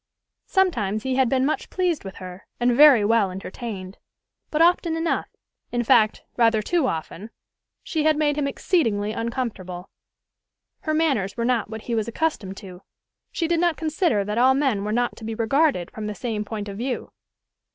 Sometimes he had been much pleased with her, and very well entertained; but often enough in fact, rather too often she had made him exceedingly uncomfortable. Her manners were not what he was accustomed to: she did not consider that all men were not to be regarded from the same point of view.